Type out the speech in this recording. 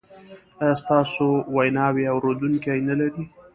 ایا ستاسو ویناوې اوریدونکي نلري؟